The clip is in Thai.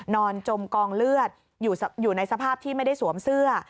จมกองเลือดอยู่ในสภาพที่ไม่ได้สวมเสื้อ